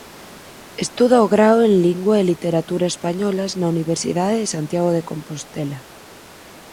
Estuda o Grao en Lingua e Literatura Españolas na Universidade de Santiago de Compostela.